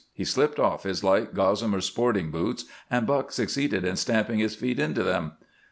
He slipped off his light gossamer sporting boots, and Buck succeeded in stamping his feet into them.